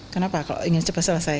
kenapa kalau ingin cepat selesai